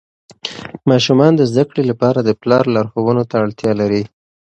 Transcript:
ماشومان د زده کړې لپاره د پلار لارښوونو ته اړتیا لري.